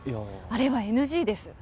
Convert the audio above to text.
あれはＮＧです。